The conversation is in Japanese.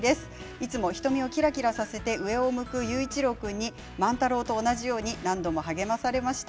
いつも瞳をキラキラさせて上を向く佑一郎君に万太郎と同じように何度も励まされました。